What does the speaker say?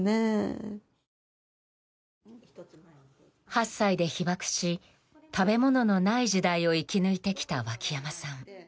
８歳で被爆し食べ物のない時代を生き抜いてきた脇山さん。